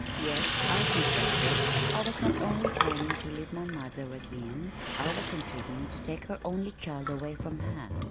Yes, I confess it, I was not only planning to leave my mother again I was intriguing to take her only child away from her.